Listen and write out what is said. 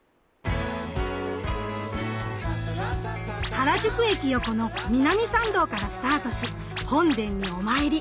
原宿駅横の南参道からスタートし本殿にお参り。